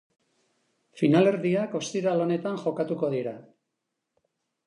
Finalerdiak ostiral honetan jokatuko dira.